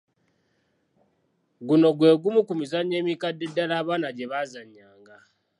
Guno gwe gumu ku mizannyo emikadde ddala abaana gye baazannyanga.